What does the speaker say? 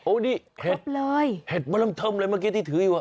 โอ้นี่เห็ดมาเริ่มทำอะไรเมื่อกี้ที่ถืออยู่